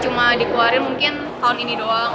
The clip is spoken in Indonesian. cuma dikeluarin mungkin tahun ini doang